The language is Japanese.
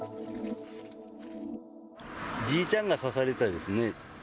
じいちゃんが刺されたですね。